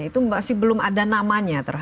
itu masih belum ada namanya